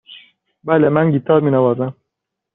بله، من گیتار می نوازم.